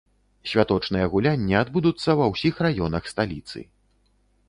Святочныя гулянні адбудуцца ва ўсіх раёнах сталіцы.